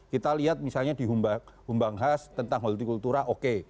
kita lihat misalnya di humbang has tentang holti kultura oke